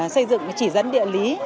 xây dựng chỉ dẫn địa lý